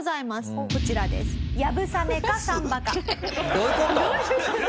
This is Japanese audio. どういう事？